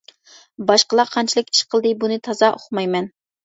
باشقىلار قانچىلىك ئىش قىلدى بۇنى تازا ئۇقمايمەن.